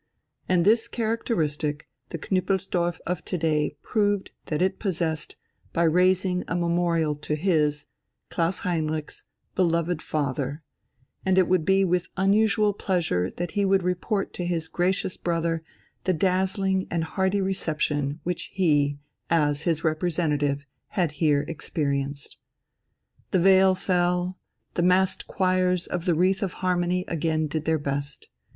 And this characteristic the Knüppelsdorf of to day proved that it possessed by raising a memorial to his, Klaus Heinrich's, beloved father, and it would be with unusual pleasure that he would report to his gracious brother the dazzling and hearty reception which he, as his representative, had here experienced.... The veil fell, the massed choirs of the "Wreath of Harmony" again did their best.